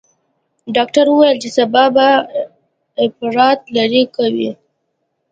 ډاکتر وويل چې سبا به اپرات لرې کوي.